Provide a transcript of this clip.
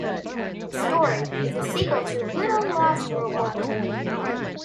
The story is a sequel to "Little Lost Robot".